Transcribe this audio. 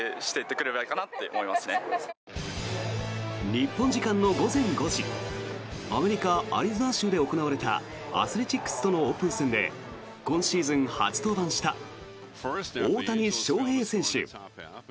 日本時間の午前５時アメリカ・アリゾナ州で行われたアスレチックスとのオープン戦で今シーズン初登板した大谷翔平選手。